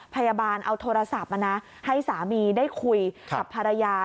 พยาบาลเอาโทรศัพท์มานะให้สามีได้คุยกับภรรยา